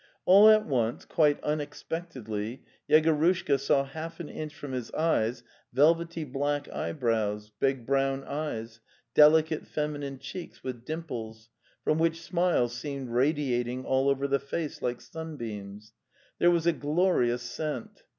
All at once, quite unexpectedly, Yegorushka saw half an inch from his eyes velvety black eyebrows, big brown eyes, delicate feminine cheeks with dimples, from which smiles seemed radiating all over the face like sunbeams. There was a glorious scent.